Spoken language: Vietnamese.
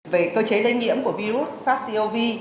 về cơ chế lây nhiễm của virus sars cov